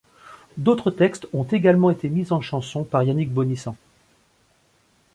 D'autres textes ont également été mis en chansons par Yannick Bonnissent.